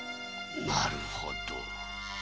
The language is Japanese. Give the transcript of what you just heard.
なるほど。